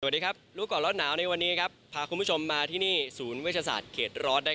สวัสดีครับรู้ก่อนร้อนหนาวในวันนี้ครับพาคุณผู้ชมมาที่นี่ศูนย์เวชศาสตร์เขตร้อน